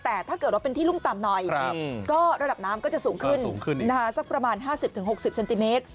แต่ถ้าเกิดว่าเป็นที่รุ่มต่ำหน่อยก็ระดับน้ำก็จะสูงขึ้นสูงขึ้นสักประมาณ๕๐๖๐เซนติเมตร